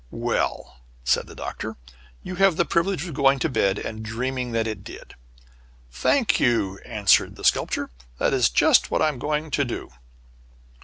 "Well," said the Doctor, "you have the privilege of going to bed and dreaming that it did." "Thank you," answered the Sculptor. "That is just what I am going to do."